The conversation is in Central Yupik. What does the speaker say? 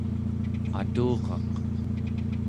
aturaq